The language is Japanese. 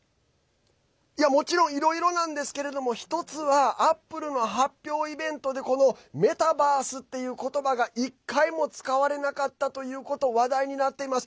もちろん、いろいろですけど１つはアップルの発表イベントでメタバースっていう言葉が１回も使われなかったということ話題になっています。